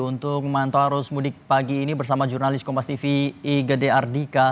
untuk memantau arus mudik pagi ini bersama jurnalis kompas tv igede ardika